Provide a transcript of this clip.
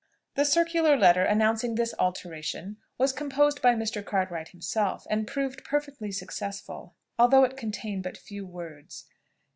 The circular letter announcing this alteration was composed by Mr. Cartwright himself, and proved perfectly successful, although it contained but few words.